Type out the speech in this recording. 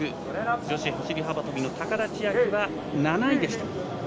女子走り幅跳びの高田千明は７位でした。